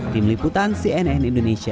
tim liputan cnn indonesia